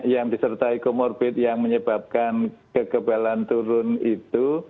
yang disertai comorbid yang menyebabkan kekebalan turun itu